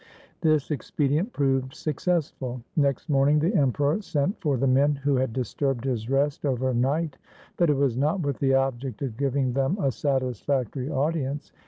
This expedient proved successful. Next morning the Emperor sent for the men who had disturbed his rest over night, but it was not with the object of giving them a satis factory audience.